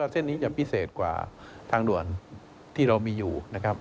เส้นนี้จะพิเศษกว่าทางด่วนที่เรามีอยู่นะครับ